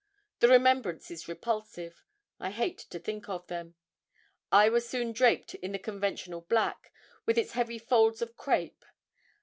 The remembrance is repulsive. I hate to think of them. I was soon draped in the conventional black, with its heavy folds of crape.